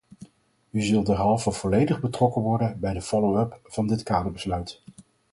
U zult derhalve volledig betrokken worden bij de follow-up van dit kaderbesluit.